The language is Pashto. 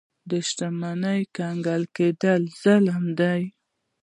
د شتمنۍ کنګل کېدل ظلم دی.